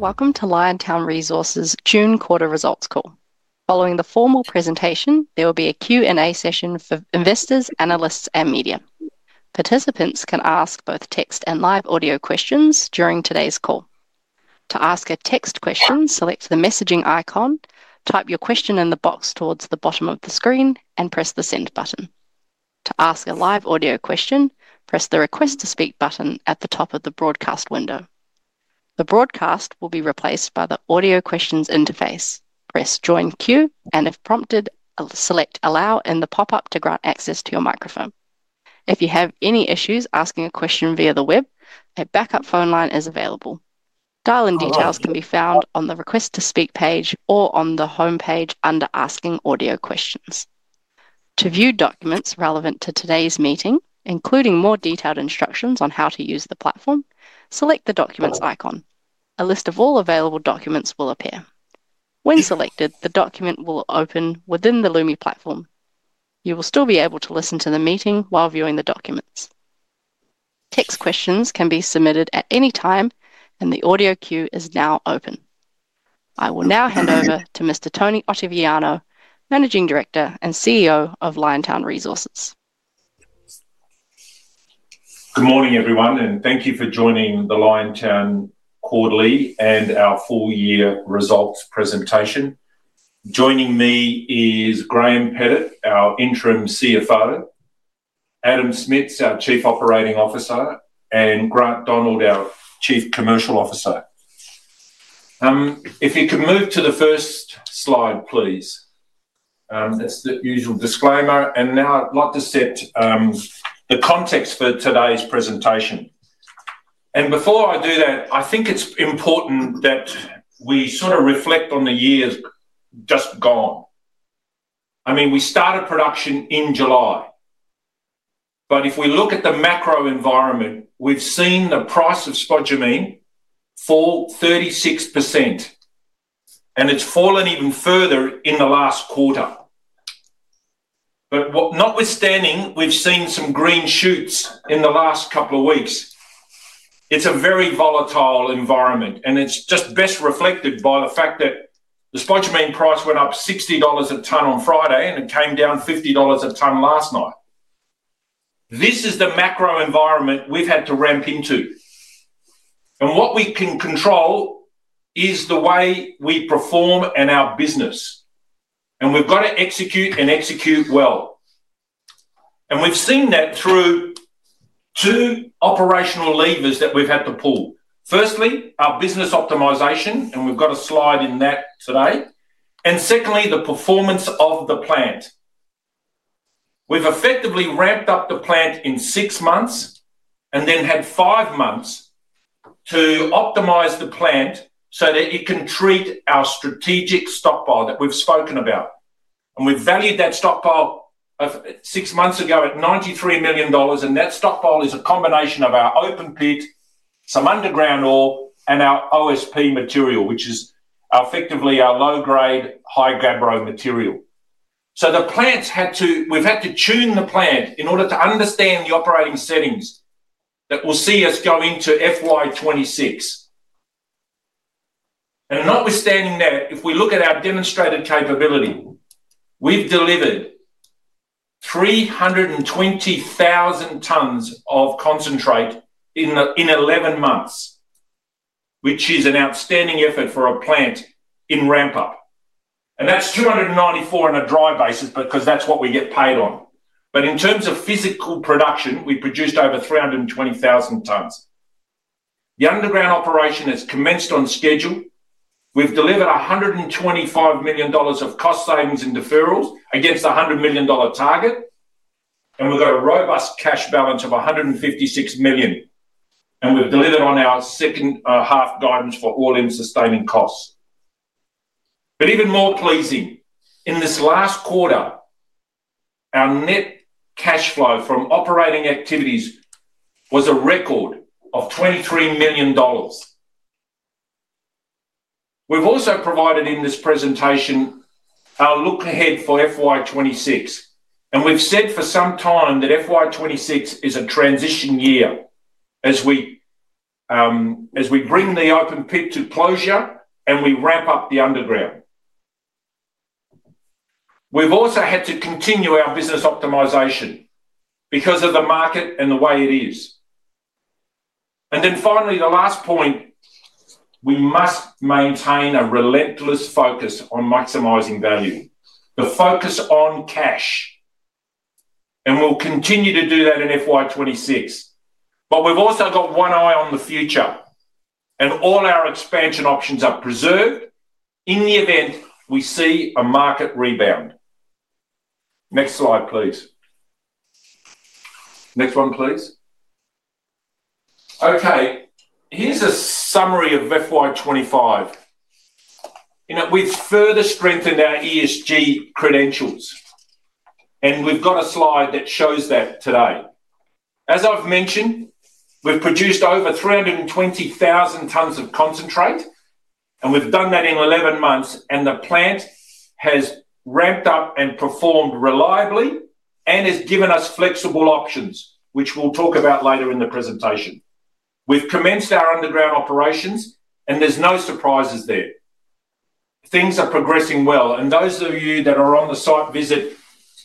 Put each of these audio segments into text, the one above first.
Welcome to Liontown Resources June quarter results call. Following the formal presentation, there will be a Q&A session for investors, analysts, and media. Participants can ask both text and live audio questions during today's call. To ask a text question, select the messaging icon, type your question in the box towards the bottom of the screen, and press the Send button. To ask a live audio question, press the Request to Speak button at the top of the broadcast window. The broadcast will be replaced by the Audio Questions interface. Press Join Queue, and if prompted, select Allow in the pop-up to grant access to your microphone. If you have any issues asking a question via the web, a backup phone line is available. Dial-in details can be found on the Request to Speak page or on the home page under Asking Audio Questions. To view documents relevant to today's meeting, including more detailed instructions on how to use the platform, select the Documents icon. A list of all available documents will appear. When selected, the document will open within the Lumi platform. You will still be able to listen to the meeting while viewing the documents. Text questions can be submitted at any time, and the audio queue is now open. I will now hand over to Mr. Tony Ottaviano, Managing Director and CEO of Liontown Resources. Good morning everyone, and thank you for joining the Liontown quarterly and our full year results presentation. Joining me is Graeme Pettit, our Interim CFO, Adam Smits, our Chief Operating Officer, and Grant Donald, our Chief Commercial Officer. If you can move to the first slide, please, that's the usual disclaimer. Now I'd like to set the context for today's presentation. Before I do that, I think it's important that we sort of reflect on the years just gone. I mean, we started production in July, but if we look at the macro environment, we've seen the price of spodumene fall 36% and it's fallen even further in the last quarter. Notwithstanding, we've seen some green shoots in the last couple of weeks. It's a very volatile environment and it's just best reflected by the fact that the spodumene price went up 60 dollars a ton on Friday and it came down 50 dollars a ton last night. This is the macro environment we've had to ramp into and what we can control is the way we perform and our business, and we've got to execute and execute well. We've seen that through two operational levers that we've had to pull. Firstly, our business optimization and we've got a slide in that today. Secondly, the performance of the plant. We've effectively ramped up the plant in six months and then had five months to optimize the plant so that it can treat our strategic stockpile that we've spoken about. We valued that stockpile six months ago at 93 million dollars. That stockpile is a combination of our open pit, some underground ore and our OSP material, which is effectively our low-grade, high-gabbro ore material. The plant's had to, we've had to tune the plant in order to understand the operating settings that will see us going to FY 2026. Notwithstanding that, if we look at our demonstrated capability, we've delivered 320,000 tons of concentrate in 11 months, which is an outstanding effort for a plant in ramp-up. That's 294,000 tons on a dry basis, because that's what we get paid on. In terms of physical production, we produced over 320,000 tons. The underground operation has commenced on schedule. We've delivered 125 million dollars of cost savings and deferrals against a 100 million dollar target. We've got a robust cash balance of 156 million. We've delivered on our second half guidance for all-in sustaining costs. Even more pleasing, in this last quarter, our net cash flow from operating activities was a record of 23 million dollars. We've also provided in this presentation our look ahead for FY 2026. We've said for some time that FY 2026 is a transition year as we bring the open pit to closure and we ramp up the underground. We've also had to continue our business optimization because of the market and the way it is. Finally, the last point, we must maintain a relentless focus on maximizing value, the focus on cash, and we'll continue to do that in FY 2026. We've also got one eye on the future and all our expansion options are preserved in the event we see a market rebound. Next slide, please. Next one, please. Okay, here's a summary of FY 2025. We've further strengthened our ESG credentials and we've got a slide that shows that today. As I've mentioned, we've produced over 320,000 tonnes of concentrate and we've done that in 11 months. The plant has ramped up and performed reliably and has given us flexible options, which we'll talk about later in the presentation. We've commenced our underground operations and there's no surprises there. Things are progressing well. Those of you that are on the site visit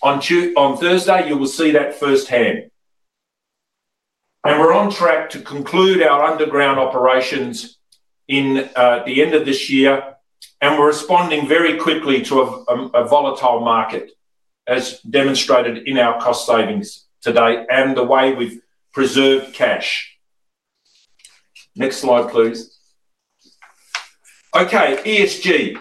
on Thursday will see that firsthand. We're on track to conclude our underground operations at the end of this year. We're responding very quickly to a volatile market, as demonstrated in our cost savings today and the way we've preserved cash. Next slide, please. Okay, ESG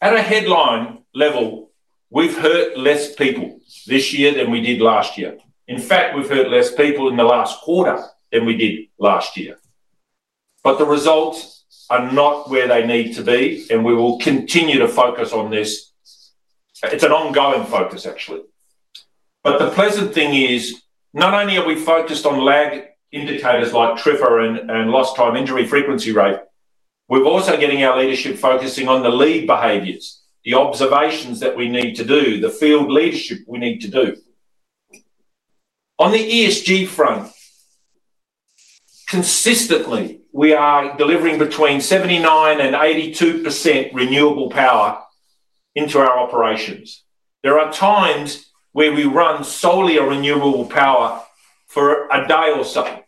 at a headline level, we've hurt fewer people this year than we did last year. In fact, we've hurt fewer people in the last quarter than we did last year. The results are not where they need to be and we will continue to focus on this. It's an ongoing focus, actually. The pleasant thing is not only are we focused on lag indicators like TRIFR and lost time injury frequency rate, we're also getting our leadership focusing on the lead behaviors, the observations that we need to do, the field leadership we need to do on the ESG front. Consistently, we are delivering between 79% and 82% renewable power into our operations. There are times where we run solely on renewable power for a dial sum.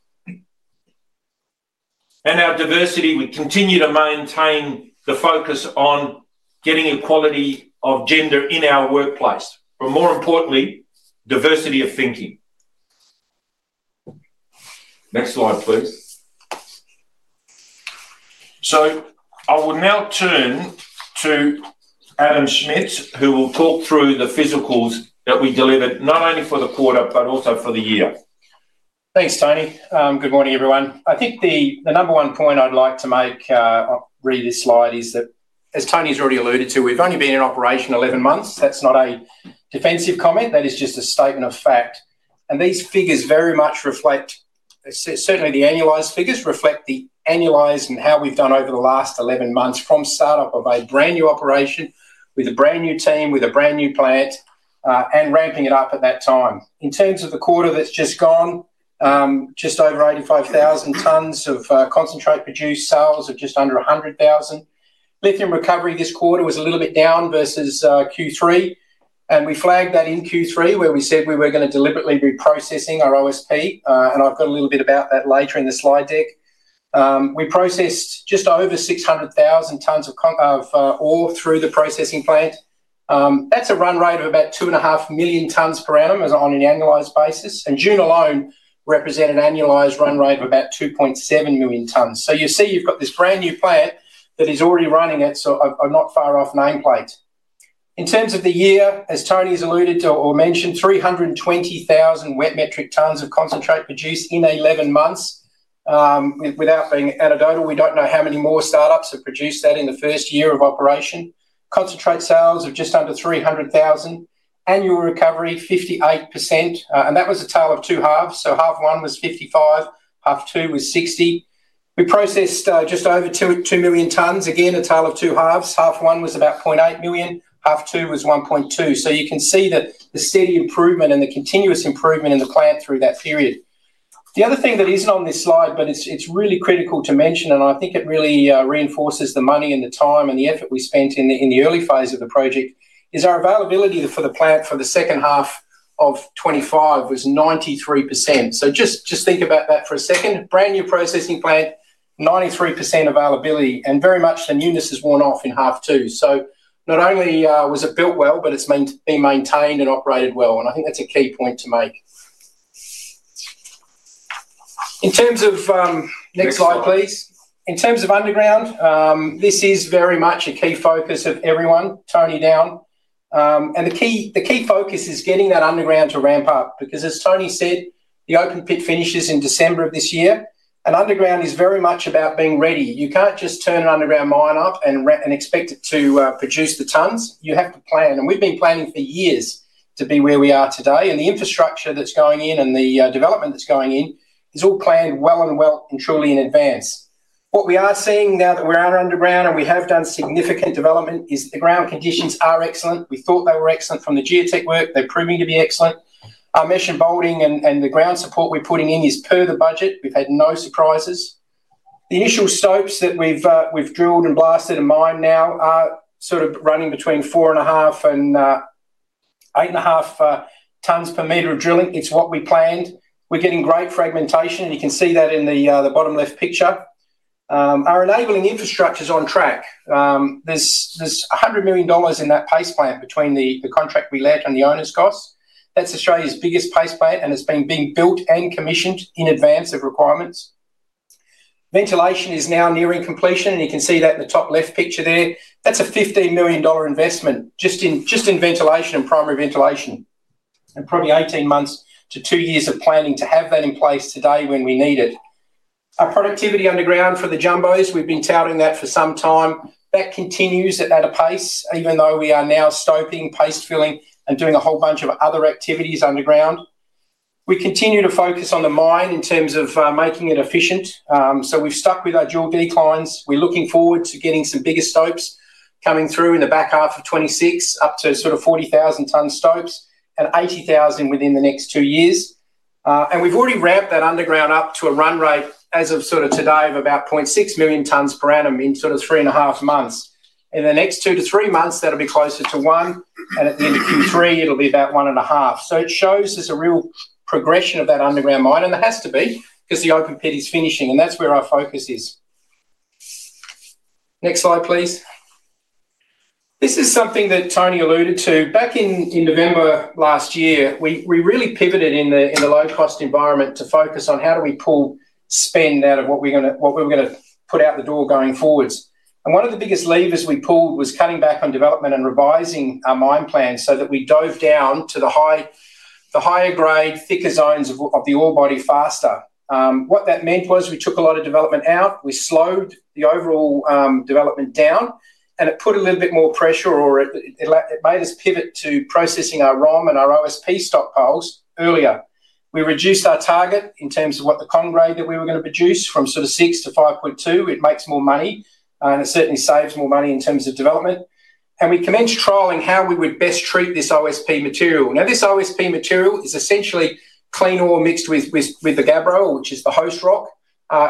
Our diversity, we continue to maintain the focus on getting equality of gender in our workplace or, more importantly, diversity of thinking. Next slide, please. I will now turn to Adam Smits who will talk through the physicals that we delivered not only for the quarter, but also for the year. Thanks, Tony. Good morning, everyone. I think the number one point I'd like to make, reading this slide, is that as Tony's already alluded to, we've only been in operation 11 months. That's not a defensive comment, that is just a statement of fact. These figures very much reflect, certainly the annualized figures reflect the annualized and how we've done over the last 11 months from startup of a brand new operation, with a brand new team, with a brand new plant and ramping it up at that time. In terms of the quarter that's just gone, just over 85,000 tonnes of concentrate produced. Sales of just under 100,000. Lithium recovery this quarter was a little bit down versus Q3, and we flagged that in Q3 where we said we were going to deliberately be processing our OSP. I've got a little bit about that later in the slide deck. We processed just over 600,000 tonnes of ore through the processing plant. That's a run rate of about 2.5 million tonnes per annum on an annualized basis, and June alone represents an annualized run rate of about 2.7 million tonnes. You see you've got this brand new plant that is already running at a not far off nameplate. In terms of the year, as Tony's alluded to or mentioned, 320,000 wet metric tonnes of concentrate produced in 11 months. Without being anecdotal, we don't know how many more startups have produced that in the first year of operation. Concentrate sales of just under 300,000, annual recovery 58%. That was a tale of two halves. Half one was 55, half two was 60. We processed just over 2 million tonnes. Again, a total of two halves. Half one was about 0.8 million, half two was 1.2. You can see the steady improvement and the continuous improvement in the plant through that period. The other thing that isn't on this slide, but it's really critical to mention, and I think it really reinforces the money and the time and the effort we spent in the early phase of the project, is our availability for the plant for 2H25 was 93%. Just think about that for a second. Brand new processing plant, 93% availability. Very much the newness has worn off in half two. Not only was it built well, but it's been maintained and operated well. I think that's a key point to make. Next slide, please. In terms of underground, this is very much a key focus of everyone, Tony down. The key focus is getting that underground to ramp up. Because as Tony said, the open pit finishes in December of this year. Underground is very much about being ready. You can't just turn an underground mine up and expect it to produce the tonnes. You have to plan, and we've been planning for years to be where we are today. The infrastructure that's going in and the development that's going in is all planned well and truly in advance. What we are seeing now that we're out underground and we have done significant development is the ground conditions are excellent. We thought they were excellent from the geotech work. The priming will be excellent. Our mesh and bolting and the ground support we're putting in is per the budget. We've had no surprises. The initial stopes that we've drilled. Blasted and mined now are sort of running between 4.5 tonnes and 8.5 tonnes per meter of drilling. It's what we planned. We're getting great fragmentation. You can see that in the bottom left picture. Our enabling infrastructure's on track. There's 100 million dollars in that base plant. Between the contract we let and the owner's costs, that's Australia's biggest paste bay and it's been being built and commissioned in advance of requirements. Ventilation is now nearing completion. You can see that in the top left picture there. That's a 15 million dollar investment just in ventilation and primary ventilation. Probably 18 months to two years of planning to have that in place today when we need it. Our productivity underground for the jumbos, we've been touting that for some time. That continues at that pace. Even though we are now stoping, paste filling, and doing a whole bunch of other activities underground, we continue to focus on the mine in terms of making it efficient. We've stuck with our dual declines. We're looking forward to getting some bigger stopes coming through in the back half of 2026, up to sort of 40,000 tonnes. Stopes at 80,000 within the next two years. We've already ramped that underground up to a run rate as of sort of today of about 0.6 million tonnes per annum in sort of three and a half months. In the next two to three months that'll be closer to one. At the end of Q3 it'll be about 1.5. It shows there's a real progression of that underground mine and there has to be because the open pit is finishing and that's where our focus is. Next slide, please. This is something that Tony alluded to back in November last year. We really pivoted in the low cost environment to focus on how do we pull spend out of what we're going to what we were going to put out the door going forwards. One of the biggest levers we pulled was cutting back on development and revising our mine plans so that we dove down to the higher grade, thicker zones of the ore body faster. What that meant was we took a lot of development out, we slowed the overall development down, and it put a little bit more pressure or it made us pivot to processing our ROM and our OSP stockpiles earlier. We reduced our target in terms of what the concentrate that we were going to produce from sort of 6 to 5.2. It makes more money and it certainly saves more money in terms of development. We commenced trialing how we would best treat this OSP material. Now this OSP material is essentially clean or mixed with the gabbro, which is the host rock,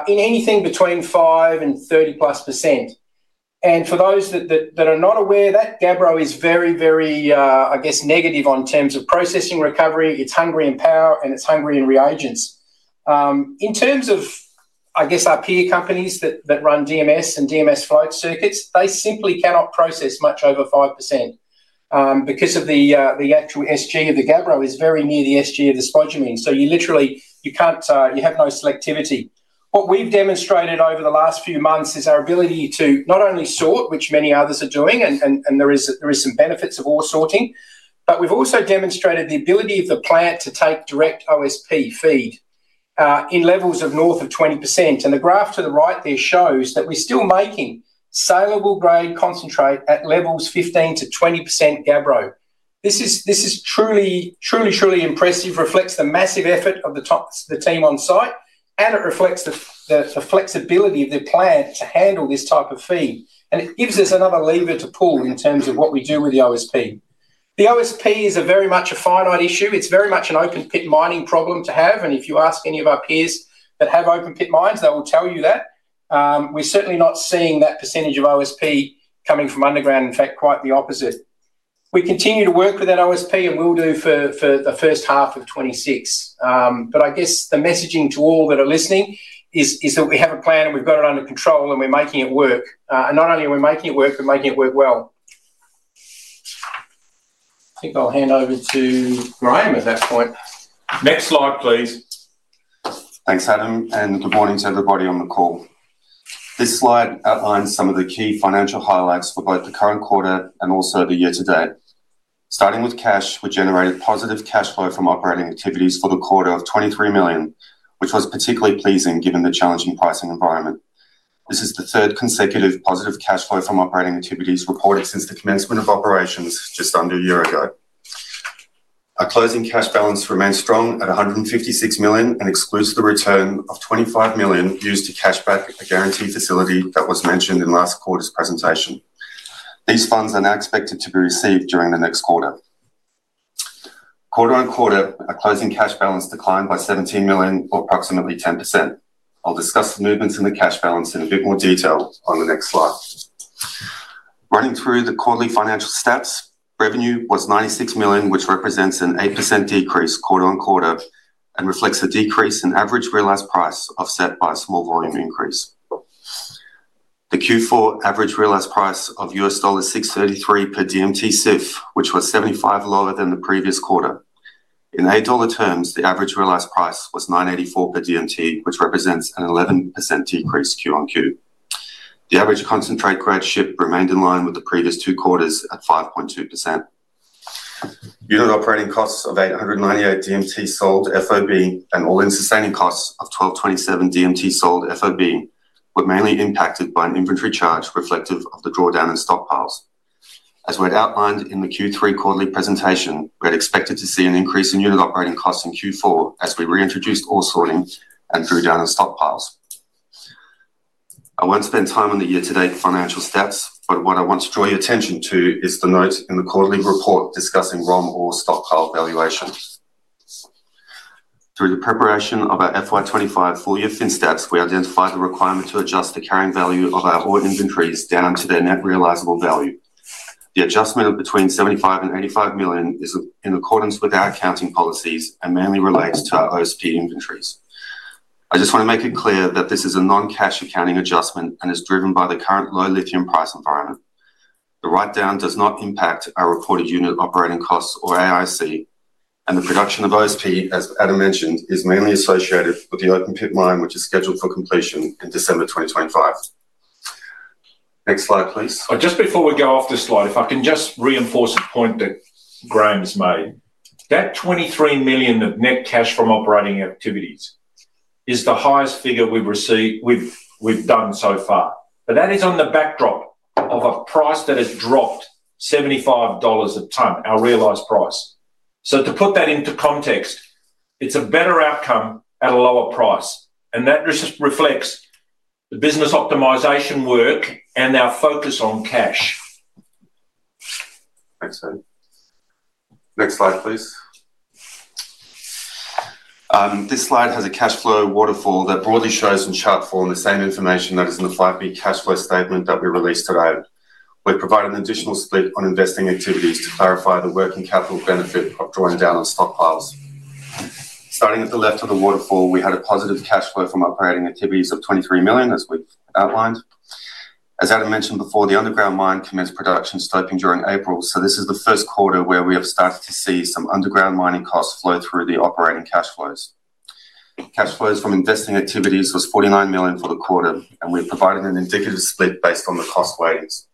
in anything between 5% and 30%+. For those that are not aware, that gabbro is very, very, I guess, negative in terms of processing recovery. It's hungry in power and it's hungry in reagents. In terms of, I guess, our peer companies that run DMS and DMS float circuits, they simply cannot process much over 5% because the actual SG of the gabbro is very near the SG of the spodumene. You literally have no selectivity. What we've demonstrated over the last few months is our ability to not only sort, which many others are doing and there is some benefit of ore sorting, but we've also demonstrated the ability of the plant to take direct OSP feed in levels of north of 20%. The graph to the right there shows that we're still making saleable grade concentrate at levels 15%-20% gabbro. This is truly, truly, truly impressive. It reflects the massive effort of the team on site and it reflects the flexibility of the plant to handle this type of feed and it gives us another lever to pull in terms of what we do with the OSP. The OSP is very much a finite issue. It's very much an open pit mining problem to have. If you ask any of our peers that have open pit mines, they will tell you that we're certainly not seeing that percentage of OSP coming from underground. In fact, quite the opposite. We continue to work with that OSP and will do for 1H26. The messaging to all that are listening is that we have a plan and we've got it under control and we're making it work. Not only are we making it work, we're making it work well. I think I'll hand over to Graeme at that point. Next slide please. Thanks, Adam. Good morning to everybody on the call. This slide outlines some of the key financial highlights for both the current quarter and also the year to date. Starting with cash, we generated positive cash flow from operating activities for the quarter of 23 million, which was particularly pleasing given the challenging pricing environment. This is the third consecutive positive cash flow from operating activities reported since the commencement of operations just under a year ago. Our closing cash balance remains strong at 156 million and excludes the return of 25 million used to cash back a guaranteed facility that was mentioned in last quarter's presentation. These funds are now expected to be received during the next quarter. Quarter on quarter, a closing cash balance declined by 17 million, or approximately 10%. I'll discuss the movements in the cash balance in a bit more detail on the next slide. Running through the quarterly financial stats, revenue was 96 million, which represents an 8% decrease quarter on quarter and reflects a decrease in average realized price offset by a small volume increase. The Q4 average realized price of $633 per DMT SIF, which was $75 lower than the previous quarter in AUD terms. The average realized price was 9.84 per DMT which represents an 11% decrease Q on Q. The average concentrate grade shipped remained in line with the previous two quarters at 5.2%. Unit operating costs of 898 per DMT sold FOB and all-in sustaining costs of 1,227 per DMT sold FOB were mainly impacted by an inventory charge reflective of the drawdown in stockpiles. As we had outlined in the Q3 quarterly presentation, we had expected to see an increase in unit operating costs in Q4 as we reintroduced ore sorting and drew down the stockpiles. I won't spend time on the year to date financial stats, but what I want to draw your attention to is the note in the quarterly report discussing ROM ore stockpile valuation. Through the preparation of our FY 2025 full year financial statements, we identified the requirement to adjust the carrying value of our ore inventories down to their net realizable value. The adjustment of between 75 million and 85 million is in accordance with our accounting policies and mainly relates to our OSP inventories. I just want to make it clear that this is a non-cash accounting adjustment and is driven by the current low lithium price environment. The write-down does not impact our reported unit operating costs or AISC and the production of OSP as Adam mentioned is mainly associated with the open pit mine which is scheduled for completion in December 2025. Next slide please. Just before we go off this slide, if I can just reinforce a point that Graeme has made that 23 million of net cash from operating activities is the highest figure we've done so far, but that is on the backdrop of a price that has dropped 75 dollars a ton, our realized price. To put that into context, it's a better outcome at a lower price and that just reflects the business optimization work and our focus on cash. Next slide please. This slide has a cash flow waterfall that broadly shows in chart form the same information that is in the 5B cash flow statement that we released today. We provide an additional split on investing activities to clarify the working capital benefit of drawing down on stockpiles. Starting at the left of the waterfall, we had a positive cash flow from operating activities of 23 million this week. Outlined as Adam mentioned before, the underground mine commenced production stopping during April, so this is the first quarter where we have started to see some underground mining costs flow through the operating cash flows. Cash flows from investing activities was 49 million for the quarter and we've provided an indicative split based on the cost weightings.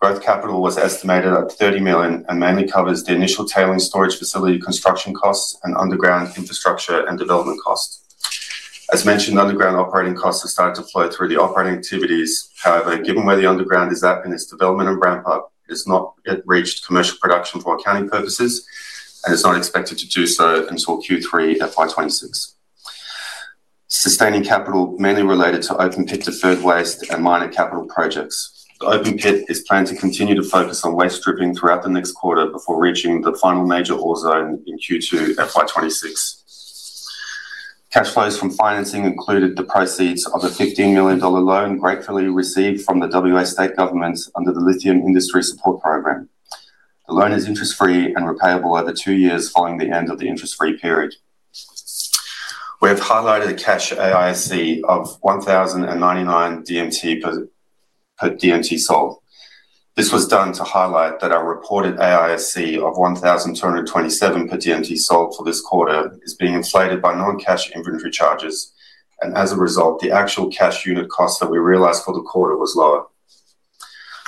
Growth capital was estimated at 30 million and mainly covers the initial tailings storage facility construction costs and underground infrastructure and development cost. As mentioned, underground operating costs have started to flow through the operating activities. However, given where the underground is at in its development and ramp up, it's not yet reached commercial production for accounting purposes and it's not expected to do so until Q3 FY 2026. Sustaining capital mainly related to open pit, deferred waste and minor capital projects. The open pit is planned to continue to focus on waste stripping throughout the next quarter before reaching the final major ore zone in Q2 FY 2026. Cash flows from financing included the proceeds of a 15 million dollar loan gratefully received from the WA State Government under the Lithium Industry Support Program. The loan is interest free and repayable over two years. Following the end of the interest free period, we have highlighted a cash AISC of 1,099 per DMT sold. This was done to highlight that our reported AISC of 1,227 per DMT sold for this quarter is being inflated by non-cash inventory charges and as a result the actual cash unit cost that we realized for the quarter was lower.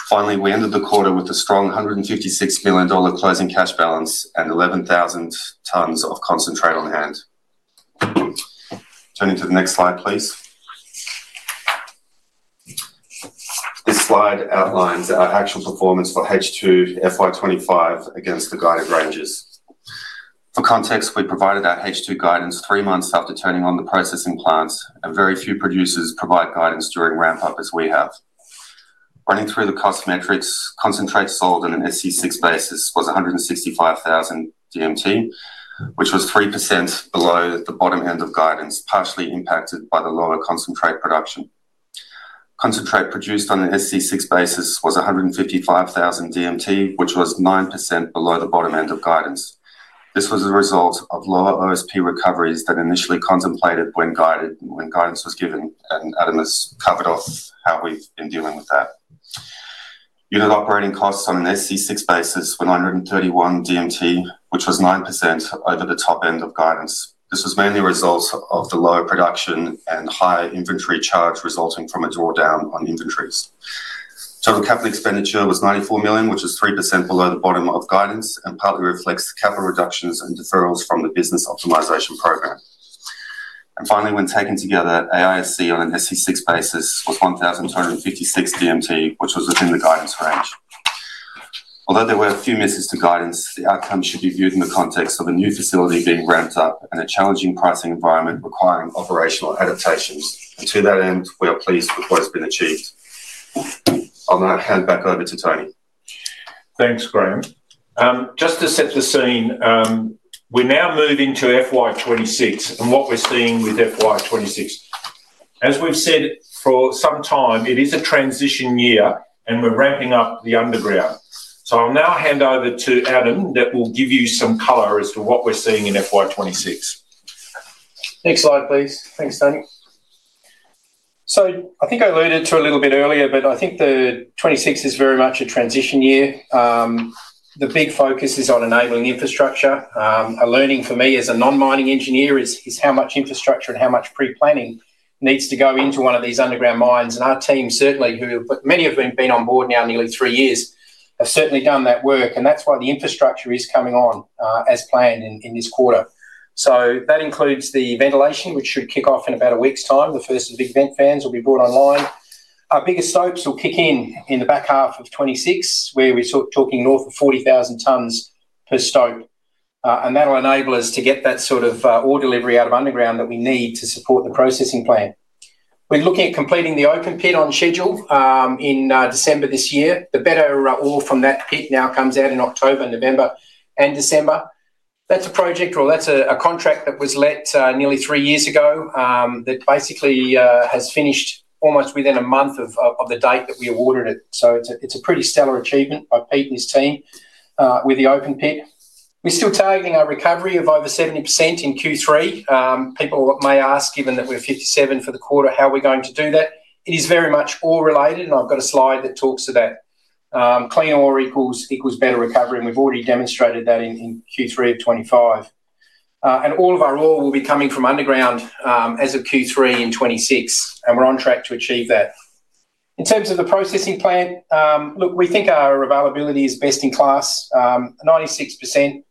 Finally, we ended the quarter with a strong AUD 156 million closing cash balance and 11,000 tonnes of concentrate on hand. Turning to the next slide please, this slide outlines our actual performance for H2 FY 2025 against the guided ranges. For context, we provided our H2 guidance three months after turning on the processing plants. Very few producers provide guidance during ramp up as we have running through the cost metrics. Concentrate sold on an SC6 basis was 165,000 DMT, which was 3% below the bottom end of guidance, partially impacted by the lower concentrate production. Concentrate produced on an SC6 basis was 155,000 DMT, which was 9% below the bottom end of guidance. This was a result of lower OSP recoveries than initially contemplated when guidance was given, and Adam, this covered off how we've been dealing with that unit. Operating costs on an SC6 basis were 931/DMT, which was 9% over the top end of guidance. This was mainly a result of the lower production and high inventory charge resulting from a drawdown on inventories. Total capital expenditure was 94 million, which is 3% below the bottom of guidance and partly reflects capital reductions and deferrals from the business optimization program. Finally, when taken together, AISC on an SC6 basis was 1,256/DMT, which was within the guidance range. Although there were a few misses to guidance, the outcome should be viewed in the context of a new facility being ramped up and a challenging pricing environment requiring operational adaptations. To that end, we are pleased with what has been achieved. I'll now hand back over to Tony. Thanks, Graeme. Just to set the scene, we're now moving to FY 2026, and what we're seeing with FY 2026, as we've said for some time, it is a transition year and we're ramping up the underground. I'll now hand over to Adam. That will give you some color as to what we're seeing in FY 2026. Next slide, please. Thanks, Danny. I think I alluded to a little bit earlier, but I think the 2026 is very much a transition year. The big focus is on enabling infrastructure. A learning for me as a non-mining engineer is how much infrastructure and how much pre-planning needs to go into one of these underground mines. Our team, certainly, who many have been on board now nearly three years, have certainly done that work and that's why the infrastructure is coming on as planned in this quarter. That includes the ventilation, which should kick off in about a week's time. The first big vent fans will be brought online. Our biggest stopes will kick in in the back half of 2026, where we're talking north of 40,000 tonnes per stope, and that'll enable us to get that sort of ore delivery out of underground that we need to support the processing plant. We're looking at completing the open pit on schedule in December this year. The better ore from that pit now comes out in October, November, and December. That's a project, or that's a contract, that was let nearly three years ago that basically has finished almost within a month of the date that we awarded it. It's a pretty stellar achievement by Pete and his team. With the open pit, we're still targeting our recovery of over 70% in Q3. People may ask, given that we're 57% for the quarter, how we're going to do that. It is very much ore related, and I've got a slide that talks to that. Clean ore equals better recovery, and we've already demonstrated that in Q3 of 2025, and all of our ore will be coming from underground as of Q3 in 2026, and we're on track to achieve that. In terms of the processing plant, we think our availability is best in class. 96%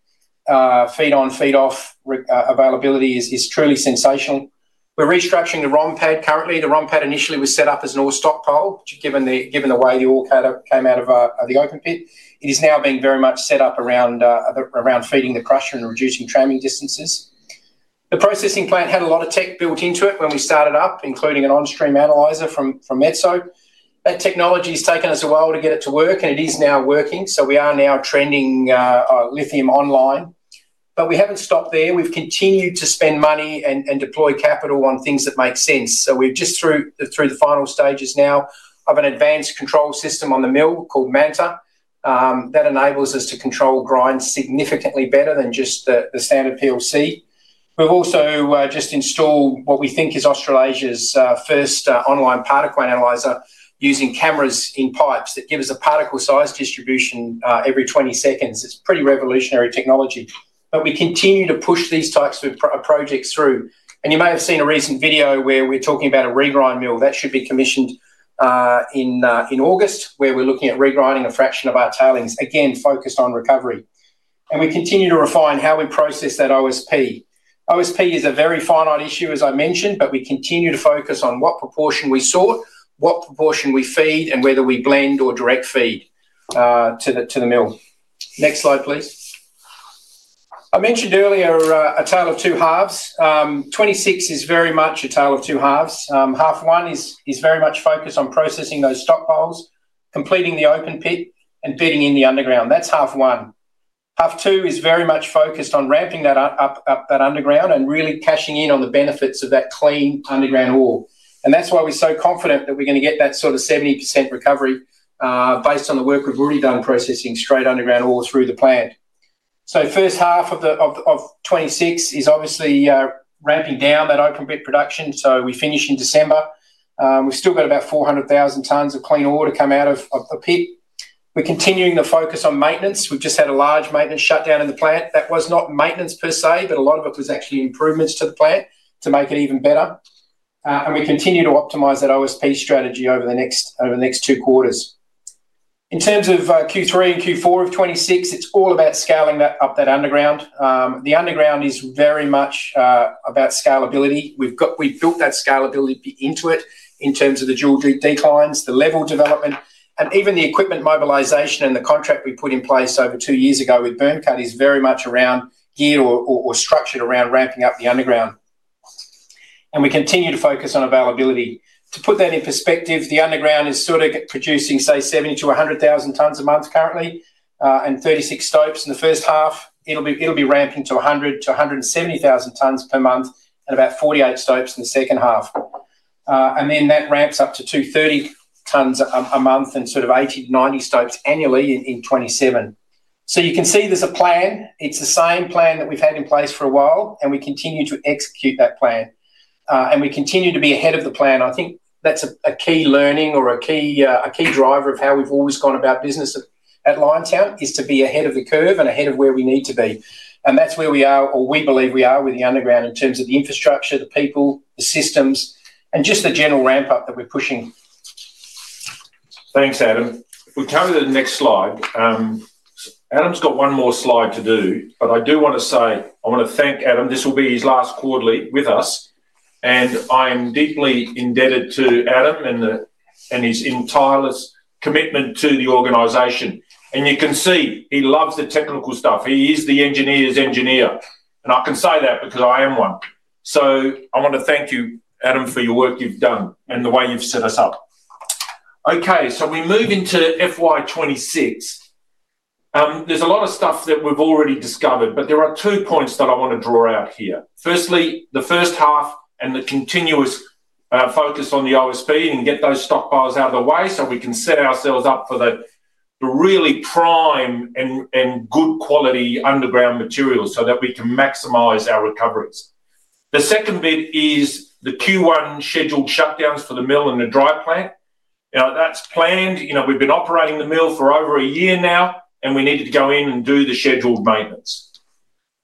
feed on, feed off availability is truly sensational. We're restructuring the ROM pad. Currently, the ROM pad initially was set up as an all stockpile. Given the way the ore came out of the open pit, it is now being very much set up around feeding the crusher and reducing tramming distances. The processing plant had a lot of tech built into it when we started up, including an on-stream analyzer from Metso. That technology has taken us a while to get it to work, and it is now working. We are now trending lithium online. We haven't stopped there. We've continued to spend money and deploy capital on things that make sense. We've just through the final stages now of an advanced control system on the mill called Manta that enables us to control grind significantly better than just the standard PLC. We've also just installed what we think is Australasia's first online particle analyzer using cameras in pipes that give us a particle size distribution every 20 seconds. It's pretty revolutionary technology and we continue to push these types of projects through. You may have seen a recent video where we're talking about a regrind mill that should be commissioned in August where we're looking at regrinding a fraction of our tailings. Again, focused on recovery and we continue to refine how we process that OSP. OSP is a very finite issue as I mentioned, but we continue to focus on what proportion we sort, what proportion we feed, and whether we blend or direct feed to the mill. Next slide please. I mentioned earlier a tale of two halves. FY 2026 is very much a tale of two halves. Half one is very much focused on processing those stockpiles, completing the open pit, and fitting in the underground. That's half one. Half two is very much focused on ramping up that underground and really cashing in on the benefits of that clean underground ore. That's why we're so confident that we're going to get that sort of 70% recovery based on the work we've already done processing straight underground ore through the plant. First half of FY 2026 is obviously ramping down that open pit production. We finish in December. We've still got about 400,000 tonnes of clean ore to come out of the pit. We're continuing the focus on maintenance. We've just had a large maintenance shutdown in the plant that was not maintenance per se, but a lot of it was actually improvements to the plant to make it even better. We continue to optimize that OSP strategy over the next two quarters in terms of Q3 and Q4 of FY 2026. It's all about scaling up that underground. The underground is very much about scalability. We've built that scalability into it in terms of the dual declines, the level development, and even the equipment mobilization. The contract we put in place over two years ago with Byrnecut is very much structured around ramping up the underground. We continue to focus on availability. To put that in perspective, the underground is sort of producing say 70,000 tonnes-100,000 tonnes a month currently, and 36 stopes in the first half. It'll be ramping to 100,000 tonnes-170,000 tonnes per month at about 48 stopes in the second half. That ramps up to 230,000 tonnes a month and sort of 80, 90 stopes annually in 2027. You can see there's a plan. It's the same plan that we've had in place for a while, and we continue to execute that plan and we continue to be ahead of the plan. I think that's a key learning or a key driver of how we've always gone about business at Liontown is to be ahead of the curve and ahead of where we need to be. That's where we are, or we believe we are, with the underground in terms of the infrastructure, the people, the systems, and just the general ramp up that we're pushing. Thanks, Adam. We come to the next slide. Adam's got one more slide to do. I do want to say I want to thank Adam. This will be his last quarterly with us. I am deeply indebted to Adam and his entire commitment to the organization. You can see he loves the technical stuff. He is the engineer's engineer, and I can say that because I am one. I want to thank you, Adam, for your work you've done and the way you've set us up. Okay, we move into FY 2026. There's a lot of stuff that we've already discovered, but there are two points that I want to draw out here. Firstly, the first half and the continuous focus on the OSP and get those stockpiles out of the way so we can set ourselves up for the really prime and good quality underground materials so that we can maximize our recoveries. The second bit is the Q1 scheduled shutdowns for the mill and the dry plant. Now that's planned. We've been operating the mill for over a year now and we needed to go in and do the scheduled maintenance.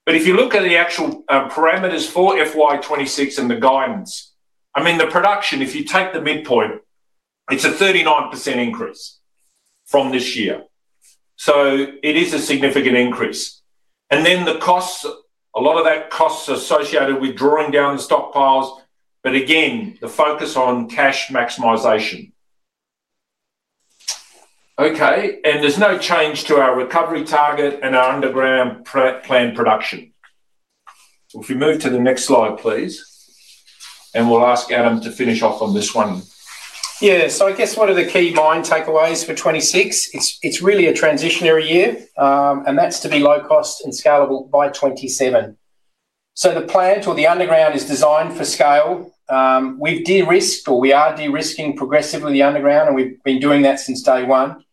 If you look at the actual parameters for FY 2026 and the guidance, I mean the production, if you take the midpoint, it's a 39% increase from this year. It is a significant increase. The costs, a lot of that costs associated with drawing down the stockpiles. Again, the focus on cash maximization. Okay. There is no change to our recovery target and our underground plan production. If we move to the next slide, please. We'll ask Adam to finish off on this one. Yeah. One of the key mine takeaways for FY 2026 is that it's really a transitionary year, and that's to be low cost and scalable by FY 2027. The plant or the underground is designed for scale. We've de-risked, or we are de-risking progressively, the underground, and we've been doing that since day one.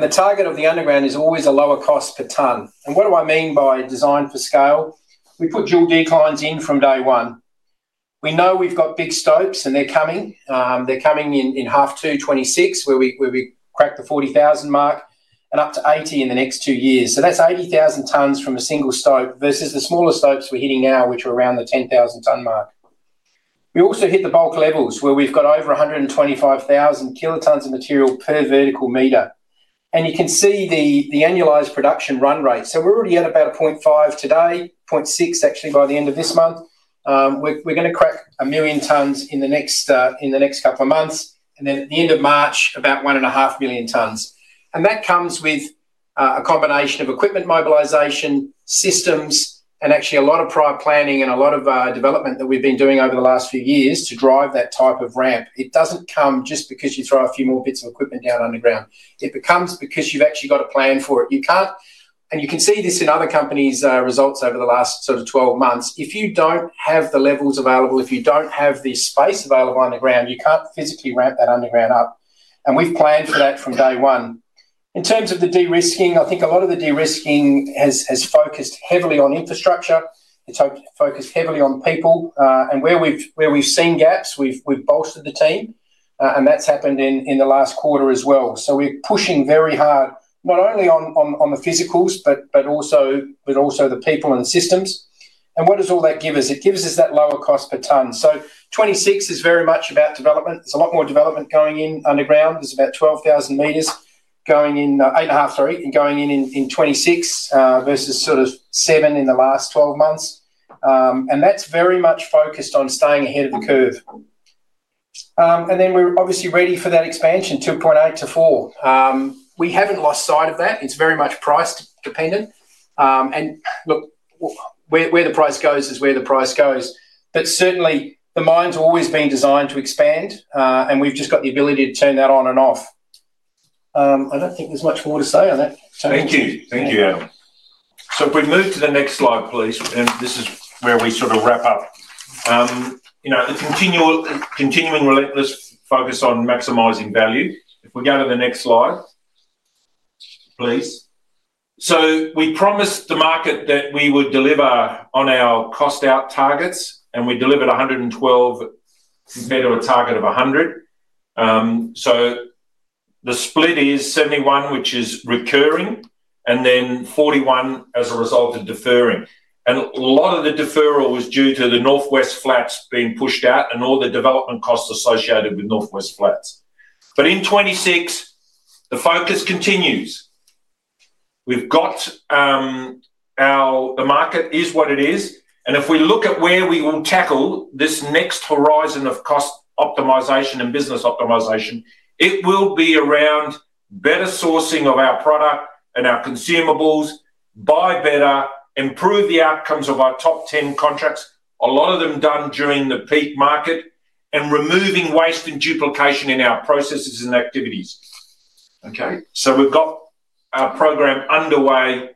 The target of the underground is always a lower cost per tonne. What do I mean by designed for scale? We put dual declines in from day one. We know we've got big stopes, and they're coming in half two, FY 2026, where we crack the 40,000 mark and up to 80,000 in the next two years. That's 80,000 tonnes from a single stope versus the smaller stopes we're hitting now, which are around the 10,000 tonne mark. We also hit the bulk levels where we've got over 125,000 kilotonnes of material per vertical meter. You can see the annualized production run rate. We're already at about 0.5 today, 0.6 actually by the end of this month. We're going to crack a million tonnes in the next couple of months, and then at the end of March, about 1.5 million tonnes. That comes with a combination of equipment, mobilization, systems, and actually a lot of prior planning and a lot of development that we've been doing over the last few years to drive that type of ramp. It doesn't come just because you throw a few more bits of equipment down underground. It comes because you've actually got a plan for it. You can see this in other companies' results over the last 12 months. If you don't have the levels available, if you don't have the space available underground, you can't physically ramp that underground up. We've planned for that from day one. In terms of the de-risking, I think a lot of the de-risking has focused heavily on infrastructure. It's focused heavily on people, and where we've seen gaps, we've bolstered the team. That's happened in the last quarter as well. We're pushing very hard not only on the physicals, but also the people and systems. What does all that give us? It gives us that lower cost per tonne. FY 2026 is very much about development. It's a lot more development going in underground, it's about 12,000 m going in, 8,500 m, sorry, going in in FY 2026 versus about 7,000 m in the last 12 months. That's very much focused on staying ahead of the curve. We're obviously ready for that expansion, 2.8 to 4. We haven't lost sight of that. It's very much price dependent. Where the price goes is where the price goes. Certainly the mine's always been designed to expand, and we've just got the ability to turn that on and off. I don't think there's much more to say on that. Thank you. Thank you, Adam. If we move to the next slide, please. This is where we sort of wrap up, you know, the continual continuing. Let's focus on maximizing value. We go to the next slide, please. We promised the market that we would deliver on our cost out targets, and we delivered 112 m, a target of 100 m. The split is 71 m which is recurring and then 41 m as a result of deferring. A lot of the deferral was due to the northwest flats being pushed out and all the development costs associated with northwest flats. In 2026, the focus continues. We've got our. The market is what it is. If we look at where we will tackle this next horizon of cost optimization and business optimization, it will be around better sourcing of our product and our consumables. Buy better, improve the outcomes of our top 10 contracts, a lot of them done during the peak market, and removing waste and duplication in our processes and activities. We've got our program underway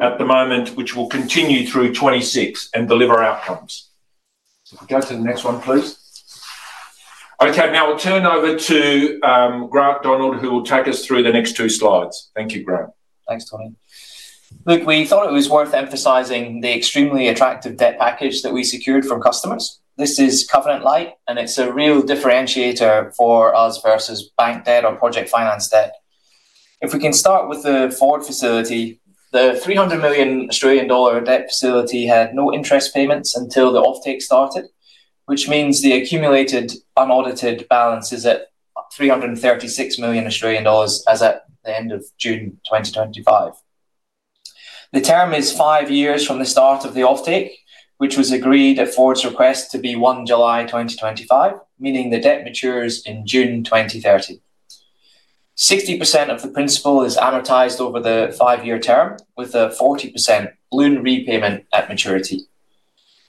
at the moment which will continue through 2026 and deliver outcomes. Go to the next one, please. Okay, now we'll turn over to Grant Donald, who will take us through the next two slides. Thank you, Grant. Thanks, Tony. Look, we thought it was worth emphasizing the extremely attractive debt package that we secured from customers. This is covenant-light and it's a real differentiator for us versus bank debt or project finance debt. If we can start with the Ford facility, the 300 million Australian dollar debt facility had no interest payments until the offtake started, which means the accumulated unaudited balance is at 336 million Australian dollars as at the end of June 2025. The term is five years from the start of the offtake, which was agreed at Ford's request to be 1 July 2025, meaning the debt matures in June 2030. 60% of the principal is annotated over the five-year term with a 40% loan repayment at maturity.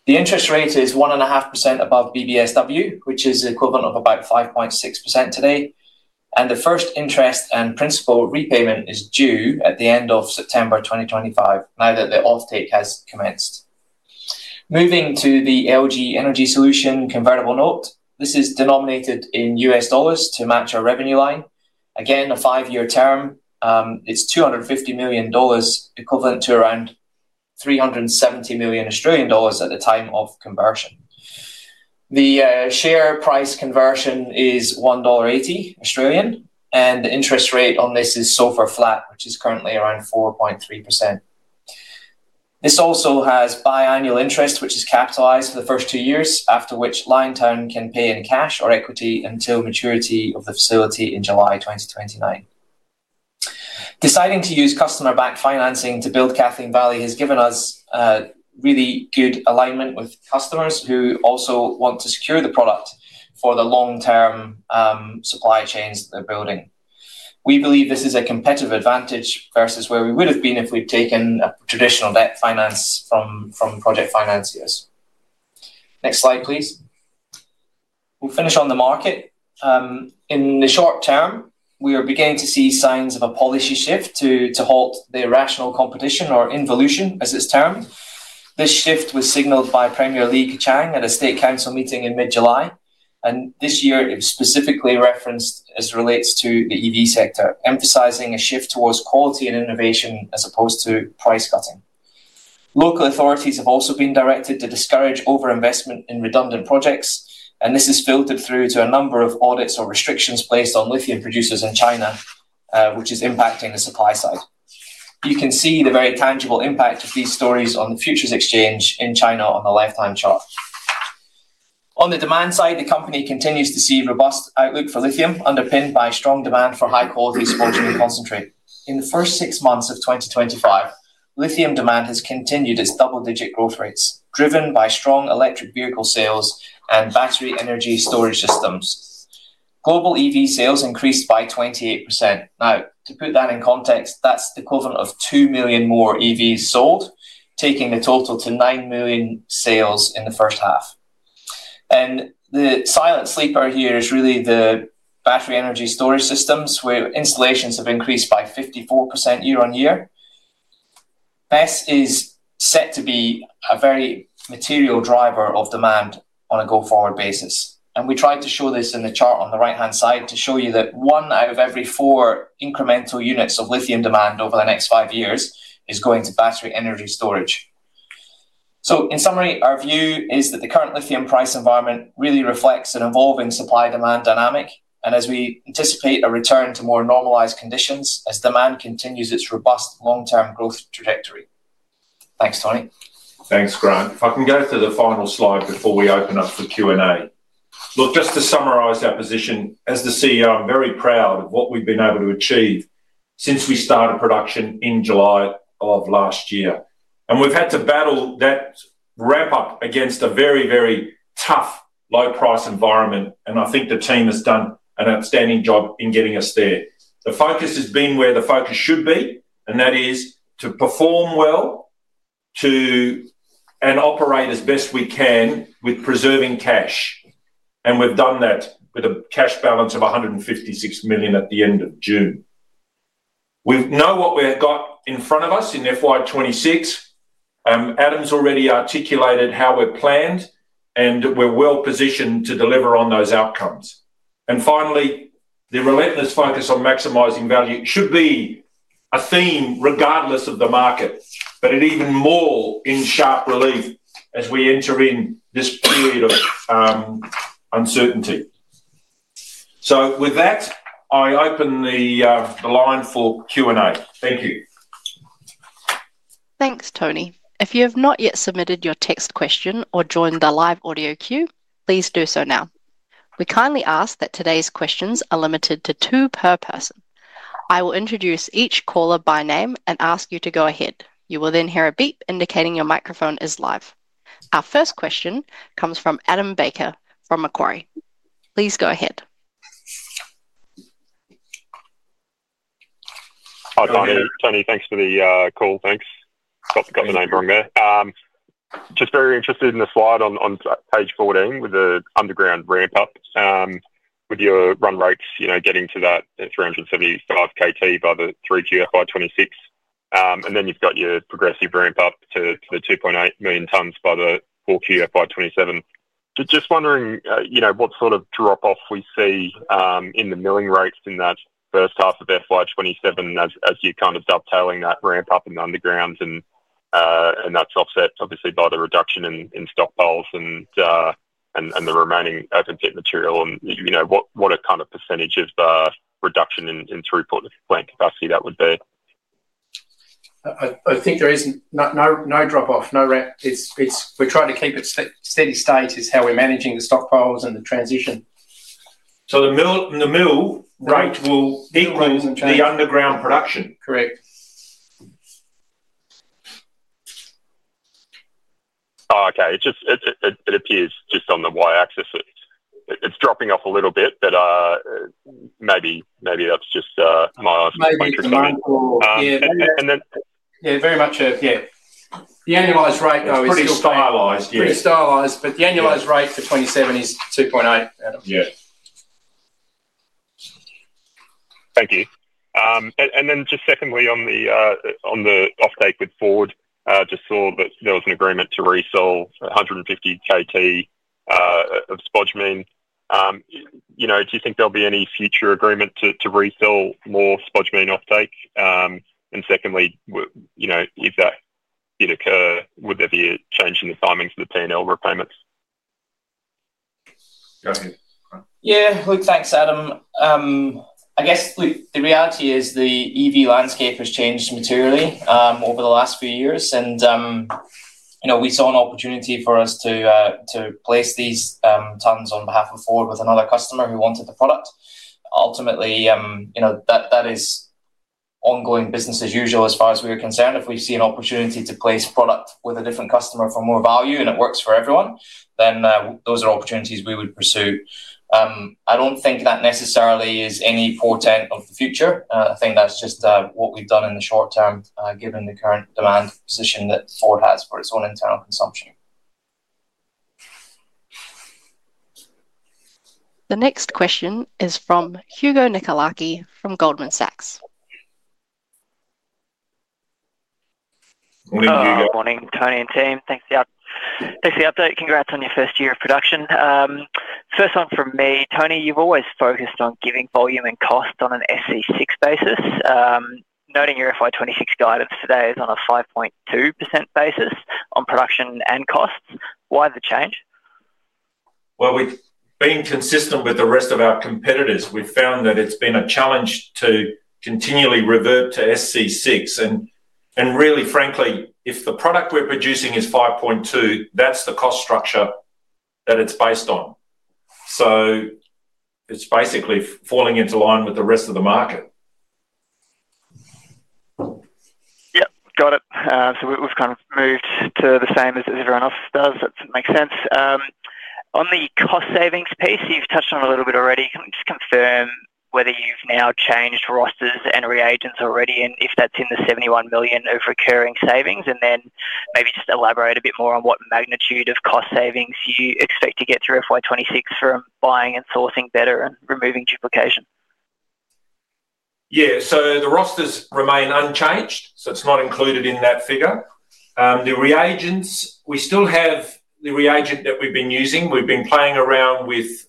The interest rate is 1.5% above BBSW, which is equivalent to about 5.6% today. The first interest and principal repayment is due at the end of September 2025 now that the offtake has commenced. Moving to the LG Energy Solution convertible note, this is denominated in U.S. dollars to match our revenue line. Again, a five-year term, it's $250 million, equivalent to around 370 million Australian dollars at the time of conversion. The share price conversion is 1.80 Australian dollars and interest rate on this is so far flat, which is currently around 4.3%. This also has biannual interest, which is capitalized for the first two years, after which Liontown can pay any cash or equity until maturity of the facility in July 2029. Deciding to use customer-backed financing to build Kathleen Valley has given us really good alignment with customers who also want to secure the product for the long-term supply chains they're building. We believe this is a competitive advantage versus where we would have been if we'd taken a traditional debt finance from project financiers. Next slide please. We'll finish on the market. In the short term, we are beginning. To see signs of a policy shift to halt the irrational competition or involution as it's termed. This shift was signaled by Premier Li Qiang at a State Council meeting in mid-July, and this year it was specifically referenced as relates to the EV sector, emphasizing a shift towards quality and innovation as opposed to price cutting. Local authorities have also been directed to discourage overinvestment in redundant projects, and this has filtered through to a number of audits or restrictions placed on lithium producers in China, which is impacting the supply side. You can see the very tangible impact of these stories on futures exchange in China on the lifetime chart. On the demand side, the company continues to see a robust outlook for lithium, underpinned by strong demand for high quality spodumene concentrate. In the first six months of 2025, lithium demand has continued its double-digit growth rates, driven by strong electric vehicle sales and battery energy storage systems. Global EV sales increased by 28%. To put that in context, that's the equivalent of 2 million more EVs sold, taking the total to 9 million sales in the first half. The silent sleeper here is really the battery energy storage systems, where installations have increased by 54% year on year. BESS is set to be a very material driver of demand on a go-forward basis. We tried to show this in the chart on the right-hand side to show you that one out of every four incremental units of lithium demand over the next five years is going to battery energy storage. In summary, our view is that the current lithium price environment really reflects an evolving supply-demand dynamic. We anticipate a return to more normalized conditions as demand continues its robust long-term growth trajectory. Thanks, Tony. Thanks, Grant. If I can go to the final slide before we open up for Q and A. Just to summarize our position as the CEO, I'm very proud of what we've been able to achieve since we started production in July of last year. We've had to battle that ramp up against a very, very tough low price environment. I think the team has done an outstanding job in getting us there. The focus has been where the focus should be, and that is to perform well and operate as best we can with preserving cash. We've done that with a cash balance of 156 million at the end of June. We know what we've got in front of us in FY 2026. Adam's already articulated how we're planned and we're well positioned to deliver on those outcomes. Finally, the relentless focus on maximizing value should be a theme regardless of the market, but it is even more in sharp relief as we enter in this period of uncertainty. With that, I open the line for Q and A. Thank you. Thanks, Tony. If you have not yet submitted your text question or joined the live audio queue, please do so now. We kindly ask that today's questions are limited to two per person. I will introduce each caller by name and ask you to go ahead. You will then hear a beep indicating your microphone is live. Our first question comes from Adam Baker from Macquarie. Please go ahead. Hi Daniel. Tony, thanks for the call. Thanks. Sorry, got my name wrong there. Just very interested in the slide on page 14 with the underground ramp up, with your run rates, you know, getting to that 370 kt by the 3Q FY 2026 and then you've got your progressive ramp up to the 2.8 million tonnes by the fourth year FY 2027. Just wondering what sort of drop off we see in the milling rates in that first half of FY 2027 as you're kind of dovetailing that ramp up in underground and that's offset obviously by the reduction in stockpiles and the remaining open pit material and what a kind of percentage of reduction in throughput plant capacity that would be. I think there isn't a drop off. We tried to keep it steady state, which is how we're managing the stockpiles and the transition. The mill rate will be the underground production. Correct. Okay. It appears just on the Y axis it's dropping off a little bit. Maybe that's just my. Very much. Yeah, the annualized rate is stylized. The annualized rate for 2027 is 2.8. Thank you. Just secondly, on the offtake with Ford, I just saw that there was an agreement to resell 150,000 tonnes of spodumene. Do you think there'll be any future agreement to resell more spodumene offtake? If that did occur, would there be a change in the timings of the P&L repayments? Go ahead. Yeah, look, thanks Adam. I guess the reality is the EV landscape has changed materially over the last few years, and we saw an opportunity for us to place these tonnes on behalf of Ford with another customer who wanted the product. Ultimately, that is ongoing business as usual as far as we are concerned. If we see an opportunity to place product with a different customer for more value and it works for everyone, then those are opportunities we would pursue. I don't think that necessarily is any portent of the future. I think that's just what we've done in the short term given the current demand position that Ford has for its own internal consumption. The next question is from Hugo Nicolaci from Goldman Sachs. Morning, Hugo. Good morning, Tony and team. Thanks for the update. Congrats on your first year of production. First one from me, Tony. You've always focused on giving volume and cost on an SC6 basis, noting your FY 2026 guidance today is on a 5.2% basis on production and costs. Why the change? We, being consistent with the rest of our competitors, have found that it's been a challenge to continually revert to SC6. Frankly, if the product we're producing is 5.2%, that's the cost structure that it's based on. It's basically falling into line with the rest of the market. Got it. We've kind of moved to the same as everyone else does. That makes sense. On the cost savings piece, you've touched on a little bit already. Can we just confirm whether you've now changed rosters and reagents already and if that's in the 71 million of recurring savings, and then maybe just elaborate a bit more on what magnitude of cost savings you expect to get through FY 2026 from buying and sourcing better and removing duplication. Yeah. The rosters remain unchanged, so it's not included in that figure. The reagents, we still have the reagent that we've been using. We've been playing around with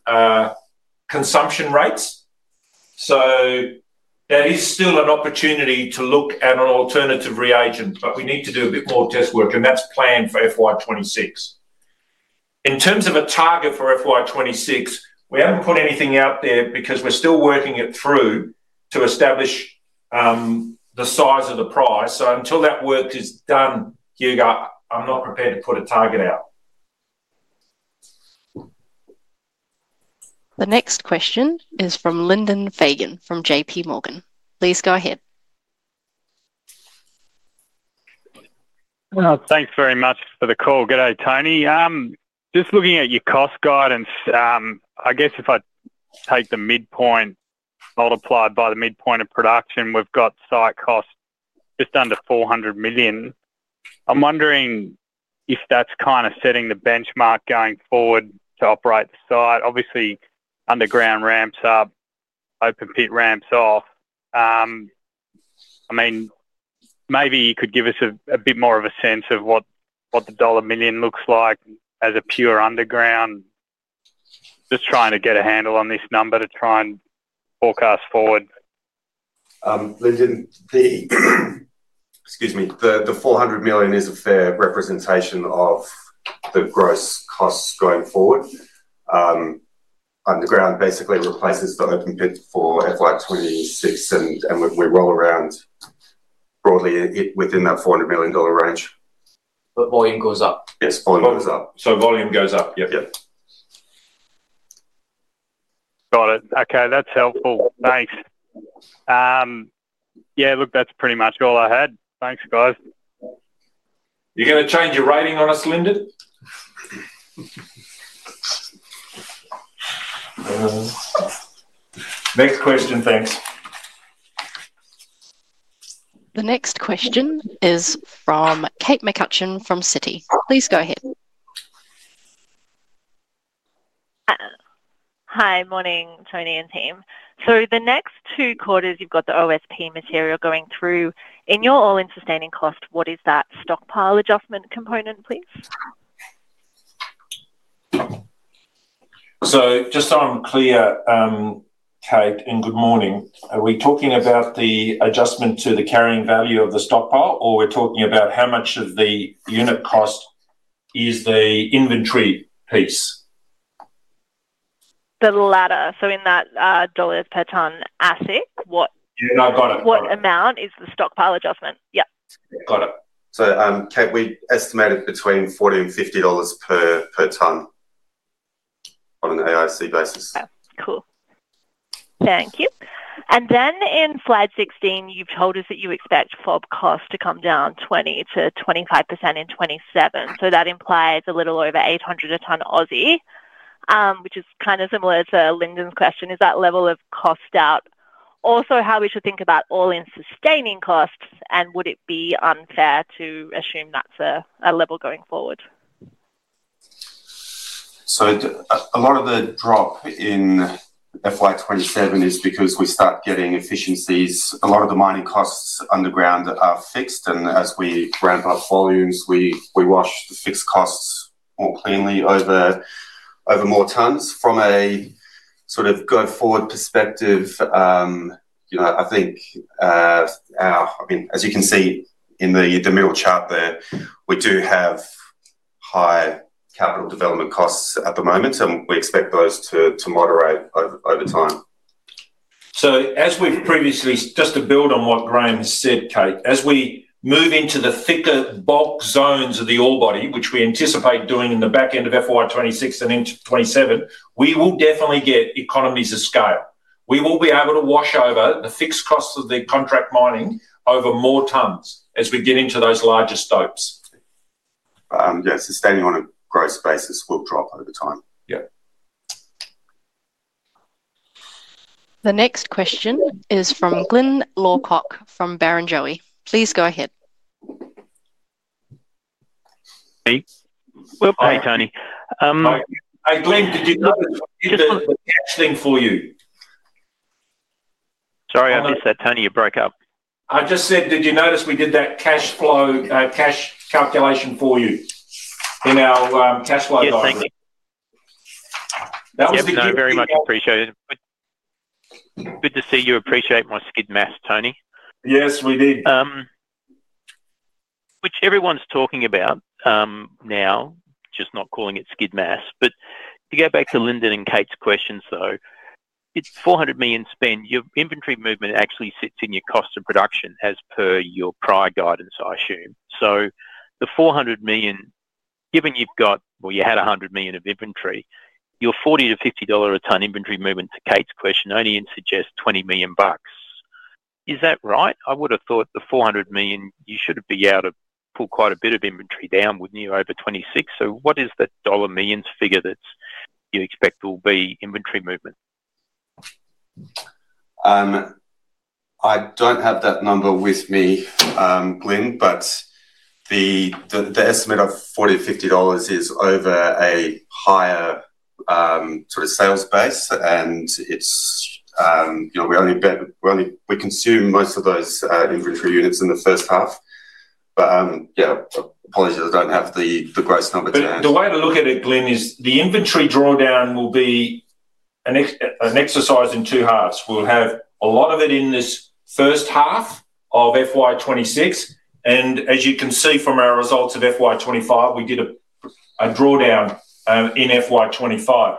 consumption rates, so that is still an opportunity to look at an alternative reagent, but we need to do a bit more test work and that's planned for FY 2026. In terms of a target for FY 2026, we haven't put anything out there because we're still working it through to establish the size of the price. Until that work is done, Hugo, I'm not prepared to put a target out. The next question is from Lyndon Fagan from JPMorgan. Please go ahead. Thanks very much for the call. G'day, Tony. Just looking at your cost guidance, I guess if I take the midpoint, multiplied by the midpoint of production, we've got site cost just under 400 million. I'm wondering if that's kind of setting the benchmark going forward to operate the site. Obviously, underground ramps up, open pit ramps off. Maybe you could give us a bit more of a sense of what the dollar million looks like as a pure underground. Just trying to get a handle on this number to try and forecast forward. Excuse me the 400 million is a fair representation of the gross costs going forward. Underground basically replaces the open pit for FY 2026, and we roll around broadly within that 400 million dollar range. Volume goes up. Yes, volume goes up. Volume goes up. Yep, yep, got it. Okay, that's helpful, thanks. Yeah, look, that's pretty much all I had. Thanks, guys. You're going to change your rating on us, Lind. Next question. Thanks. The next question is from Kate McCutcheon from Citi, please go ahead. Hi. Morning, Tony and team. The next two quarters, you've got the OSP material going through in your all-in sustaining cost. What is that stockpile adjustment component, please? Just so I'm clear, Kate, and good morning, are we talking about the adjustment to the carrying value of the stockpile, or are we talking about how much of the unit cost is the inventory piece? The latter. In that dollar per tonne asset, what amount is the stockpile adjustment? Got it. Kate, we estimated between 40 and 50 dollars per tonne on an AISC basis. Thank you. In slide 16, you've told us that you expect FOB cost to come down 20%-25% in 2027. That implies a little over 800 a ton, which is kind of similar to Lyndon's question. Is that level of cost out also how we should think about all-in sustaining costs, and would it be unfair to assume that's a level going forward? A lot of the drop in FY 2027 is because we start getting efficiencies. A lot of the mining costs underground are fixed, and as we ramp up volumes, we wash the fixed costs more cleanly over more tonnes from a sort of go forward perspective. I think as you can see in the middle chart there, we do have high capital development costs at the moment, and we expect those to moderate over time. As we've previously, just to build on what Graeme said, Kate, as we move into the thicker bulk zones of the ore body, which we anticipate doing in the back end of FY 2026 and into 2027, we will definitely get economies of scale. We will be able to wash over the fixed costs of the contract mining over more tonnes as we get into those larger stopes. Yes, standing on a gross basis will drop over time. Yeah. The next question is from Glyn Lawcock from Barrenjoey. Please go ahead. Hi, Tony did not do the thing for you. Sorry I missed that, Tony. You broke up. Did you notice we did that cash flow calculation for you in our cash flow? That was very much appreciated. Good to see you appreciate my skid mass, Tony. Yes, we did. Which everyone's talking about now, just not calling it skid mass. If you go back to Linden and Kate's questions though, it's 400 million spend. Your inventory movement actually sits in your cost of production as per your prior guidance, I assume. The 400 million, given you've got, well, you had 100 million of inventory. Your 40-50 dollar a tonne inventory movement to Kate's question only suggests 20 million bucks, is that right? I would have thought the 400 million, you should be able to pull quite a bit of inventory down with new over 2026. What is the dollar millions figure that you expect will be inventory movement? I don't have that number with me, Glyn, but the estimate of 40, 50 dollars is over a higher sort of sales base, and it's, you know, we only bet we consume most of those inventory units in the first half. Yeah, apologies, I don't have the gross number to have. The way to look at it, Glyn, is the inventory drawdown will be an exercise in two halves. We'll have a lot of it in this first half of FY 2026, and as you can see from our results of FY 2025, we did a drawdown in FY 2025.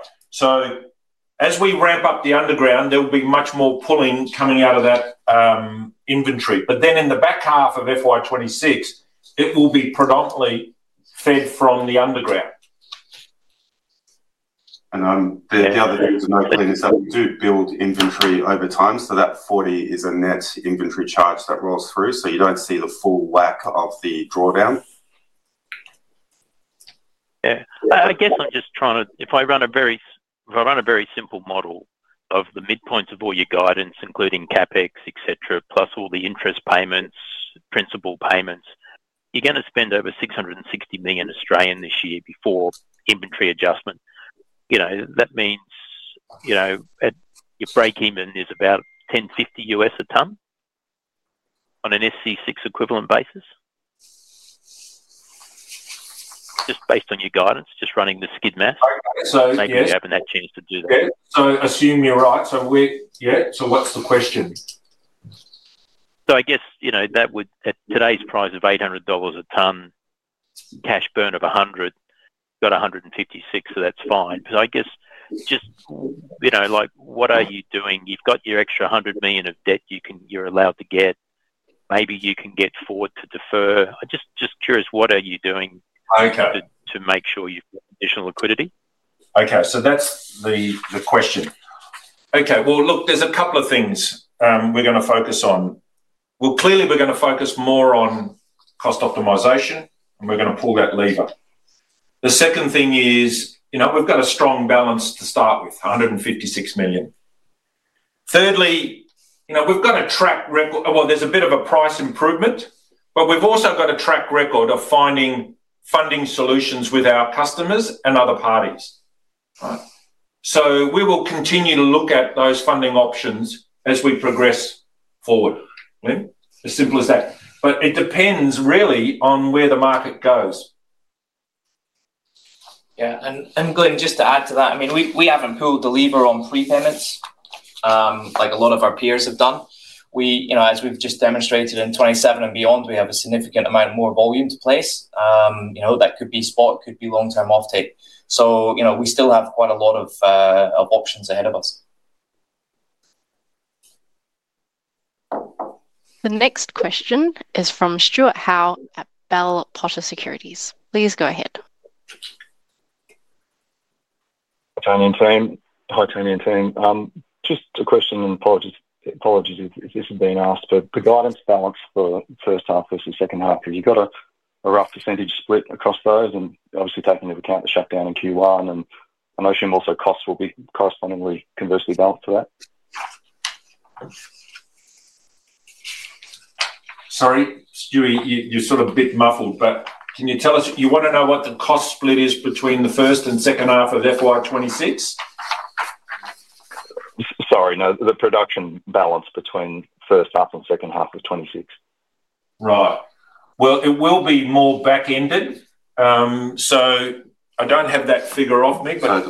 As we ramp up the underground, there will be much more pulling coming out of that inventory. In the back half of FY 2026, it will be predominantly fed from the underground. I'm now building inventory over time so that 40 is a net inventory charge that rolls through. You don't see the full whack of the drawdown. I guess I'm just trying to, if I run a very simple model of the midpoints of all your guidance including CapEx, et cetera, plus all the interest payments, principal payments, you're going to spend over 660 million this year before inventory adjustment. That means your break even is about 1,050 U.S. a ton on an SC6 equivalent basis just based on your guidance, just running the skid math, saying you haven't had chance to do that. Yeah, what's the question? I guess you know that would at today's price of 800 dollars a ton, cash burn of 100, got 156. That's fine because I guess just you know like what are you doing? You've got your extra 100 million of debt you're allowed to get. Maybe you can get Ford to defer. I'm just curious, what are you doing to make sure you have additional liquidity. Okay, so that's the question. Look, there's a couple of things we're going to focus on. Clearly we're going to focus more on cost optimization and we're going to pull that lever. The second thing is, you know, we've got a strong balance to start with, 156 million. Thirdly, you know, we've got a track record. There's a bit of a price improvement, but we've also got a track record of finding funding solutions with our customers and other parties. We will continue to look at those funding options as we progress forward. As simple as that. It depends really on where the market goes. Yeah, and Glyn, just to add to that, I mean we haven't pulled the lever on pre-tenders like a lot of our peers have done. We, you know, as we've just demonstrated in 2027 and beyond, we have a significant amount of more volume to place. You know, that could be spot, could be long-term offtake. You know, we still have quite a lot of options ahead of us. The next question is from Stuart Howe at Bell Potter Securities. Please go ahead. Team, just a question and apologies if this has been asked, but the guidance balance for first half versus second half because you've got a rough percentage split across those, and obviously taking into account the shutdown in Q1, and I'm assuming also costs will be correspondingly conversely balanced to that. Sorry, Stewie, you're sort of a bit muffled, but can you tell us, you want to know what the cost split is between the first and second half of FY 2026? Sorry, no, the production balance between first half and second half of FY 2026. Right. It will be more back ended, so I don't have that figure off. We've got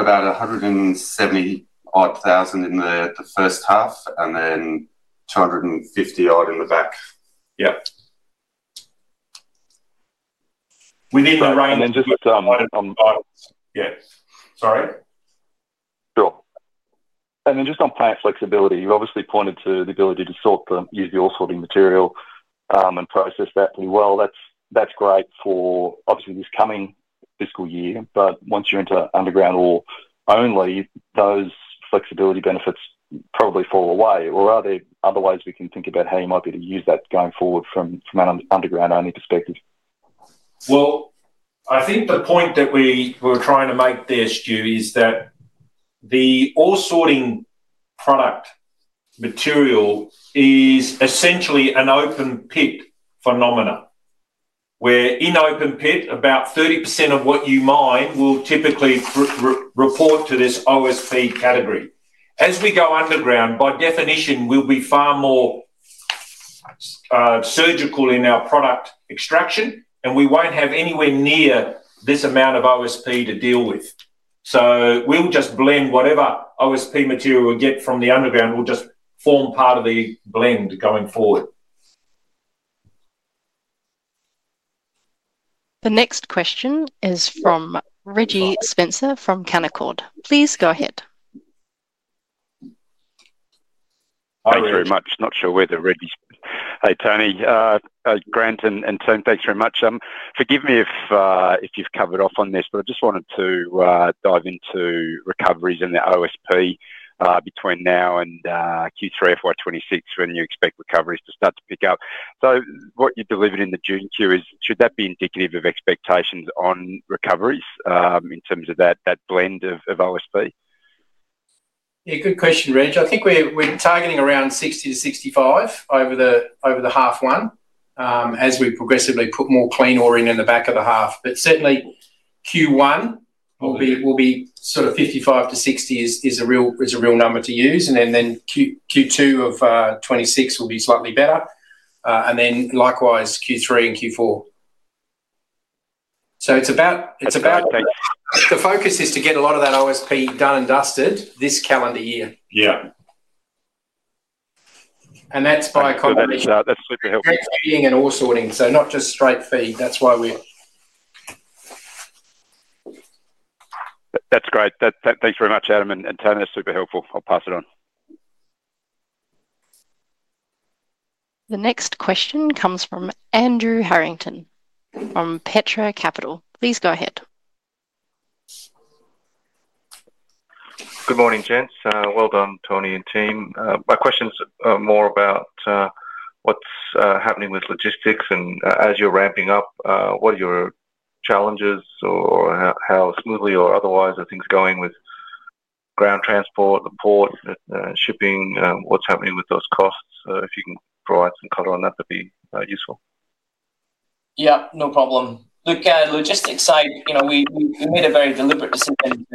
about 170,000 in there at the first half and then 250,000 in the back. Yeah. Within range. Just look. Yes, sure. Just on plant flexibility, you've obviously pointed to the ability to sort, to use the ore sorting material and process that pretty well. That's great for obviously this coming fiscal year. Once you enter underground, only those flexibility benefits probably fall away. Are there other ways we can think about how you might be able to use that going forward from an underground only perspective? I think the point that we were trying to make there, Stu, is that the ore sorting product material is essentially an open pit phenomenon where in open pit about 30% of what you mine will typically report to this OSP category. As we go underground, by definition we'll be far more surgical in our product extraction and we won't have anywhere near this amount of OSP to deal with. We'll just blend whatever OSP material we get from the underground. It'll just form part of the blend going forward. The next question is from Reg Spencer from Canaccord. Please go ahead. Thank you very much. Not sure whether Reggie's. Hey, Tony, Grant, and Tone, thanks very much. Forgive me if you've covered off on this, but I just wanted to dive into recoveries and the OSP between now and Q3 FY 2026, when you expect recoveries to start to pick up. What you delivered in the June quarter, should that be indicative of expectations on recoveries in terms of that blend of OSP? Yeah, good question, Reg. I think we're targeting around 60%-65% over the half one as we progressively put more clean ore in the back of the half. Q1 will be sort of 55%-60%. Is a real number to use, and then Q2 of 2026 will be slightly better, and likewise Q3 and Q4. It's about the focus to get a lot of that OSP done and dusted this calendar year. Yeah. That's by accommodation. That's good to help me, Ying, and all sorting. Not just straight feed. That's why we. That's great. Thanks very much, Adam and Tony. That's super helpful. I'll pass it on. The next question comes from Andrew Harrington from Petra Capital. Please go ahead. Good morning, gents. Well done, Tony and team. My question's more about what's happening with logistics. As you're ramping up, what are your challenges or how smoothly or otherwise are things going with ground transport, the port shipping, what's happening with those costs? If you can provide some color on that, that'd be useful. Yeah, no problem. Look at logistics side, you know, we made a very deliberate decision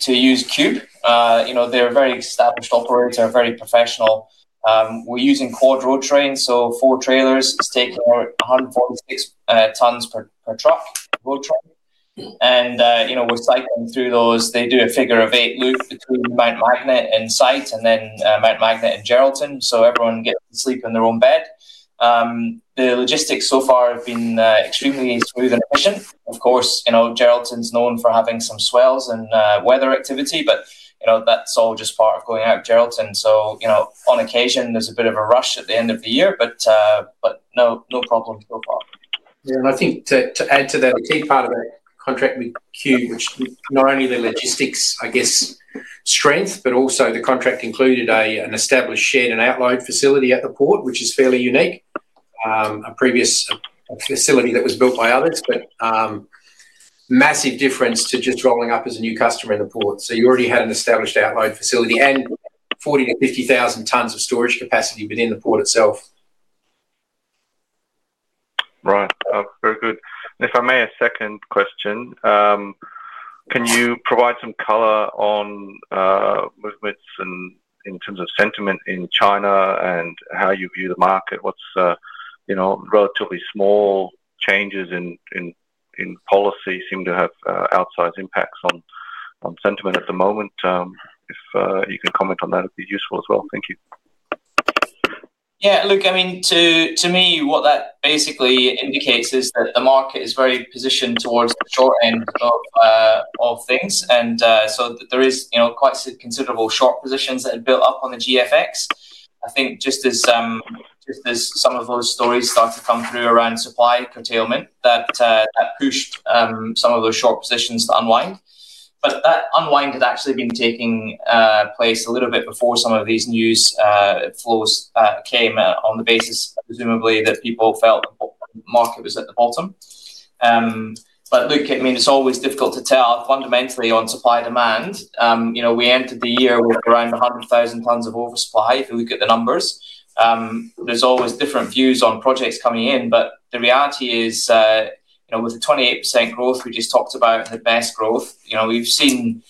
to use Too. You know, they're a very established operator, very professional. We're using quad road train, so four trailers take 140 tons per truck, road truck, and you know, we're cycling through those. They do a figure of eight loop between Mount Magnet and site and then Mount Magnet and Geraldton. Everyone gets to sleep in their own bed. The logistics so far have been extremely smooth and efficient. Of course, you know, Geraldton's known for having some swells and weather activity, but you know, that's all just part of going out Geraldton. On occasion there's a bit of a rush at the end of the year, but no, no problem so far. I think to add to that, a key part of that contract with Qube, which is not only the logistics strength, but also the contract included an established shared and outload facility at the port, which is fairly unique. A previous facility that was built by others, but massive difference to just rolling up as a new customer in the port. You already had an established outload facility and 40,000 tons-50,000 tons of storage capacity within the port itself. Right. Very good. If I may, a second question. Can you provide some color on movements and in terms of sentiment in China and how you view the market? Relatively small changes in policy seem to have outsized impacts on sentiment at the moment. If you can comment on that, it'd be useful as well. Thank you. Yeah, look, I mean to me what that basically indicates is that the market is very positioned towards the short end of things, and so there is quite considerable short positions that built up on the GFX. I think just as some of those stories start to come through around supply curtailment, that pushed some of those short positions to unwind. That unwind had actually been taking place a little bit before some of these news flows came on the basis presumably that people felt market was at the bottom. I mean it's always difficult to tell fundamentally on supply demand. We entered the year with around 100,000 tonnes of oversupply. If you look at the numbers, there's always different views on projects coming in. The reality is with the 28% growth we just talked about, had best growth, we've seen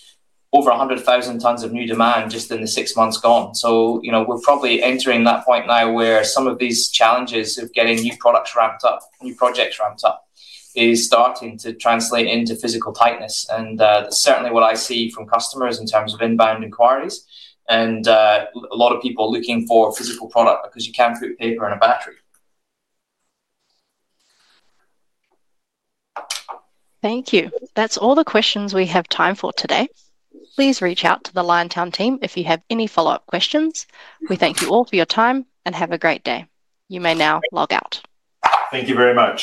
over 100,000 tonnes of new demand just in the six months gone. We're probably entering that point now where some of these challenges of getting new products wrapped up, new projects ramped up is starting to translate into physical tightness, and certainly what I see from customers in terms of inbound inquiries and a lot of people are looking for a physical product because you can put paper in a battery. Thank you. That's all the questions we have time for today. Please reach out to the Liontown team if you have any follow up questions. We thank you all for your time and have a great day. You may now log out. Thank you very much.